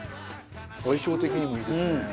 相性的にもいいですね。